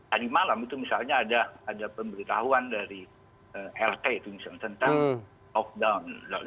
hari malam misalnya ada pemberitahuan dari lt tentang lockdown